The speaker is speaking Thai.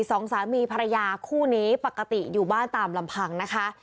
สองสามีภรรยาคู่นี้ปกติอยู่บ้านตามลำพังนะคะ